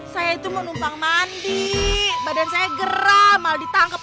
saya itu mau numpang mandi badan saya geram mau ditangkap